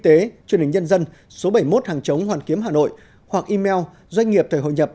tế truyền hình nhân dân số bảy mươi một hàng chống hoàn kiếm hà nội hoặc email doanh nghiệp thời hội nhập